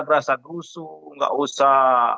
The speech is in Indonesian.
gerasak rusuh nggak usah